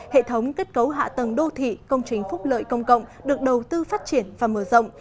hệ thống kết cấu hạ tầng đô thị công trình phúc lợi công cộng được đầu tư phát triển và mở rộng